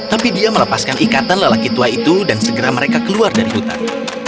tapi dia melepaskan ikatan lelaki tua itu dan segera mereka keluar dari hutan